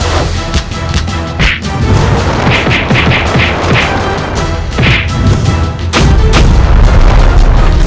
nostri aku bisa melukai hubunganku